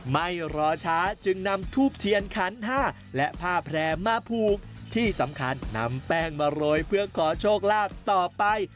ไม่รอช้าจึงนำทูบเทียนขันห้าและผ้าแพร่มาผูกที่สำคัญนำแป้งมาโรยเพื่อขอโชคลาภต่อไป